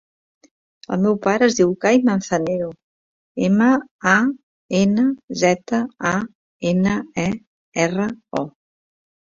El meu pare es diu Cai Manzanero: ema, a, ena, zeta, a, ena, e, erra, o.